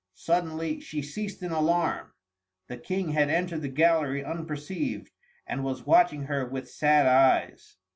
Suddenly she ceased in alarm. The King had entered the gallery unperceived, and was watching her with sad eyes.